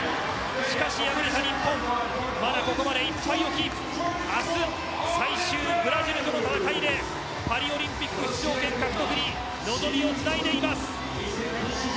しかし敗れた日本、まだここまで明日、最終ブラジルとの戦いでパリオリンピック出場権獲得に望みをつないでいます。